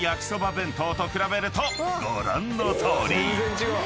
弁当と比べるとご覧のとおり］